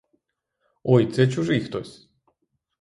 Ой, це чужий хтось!